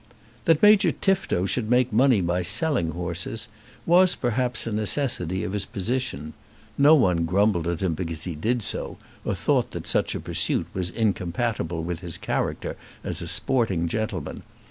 That Major Tifto should make money by selling horses was, perhaps, a necessity of his position. No one grumbled at him because he did so, or thought that such a pursuit was incompatible with his character as a sporting gentleman.